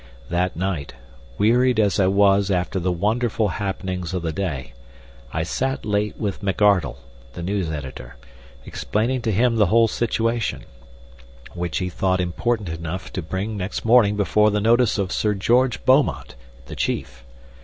That night, wearied as I was after the wonderful happenings of the day, I sat late with McArdle, the news editor, explaining to him the whole situation, which he thought important enough to bring next morning before the notice of Sir George Beaumont, the chief.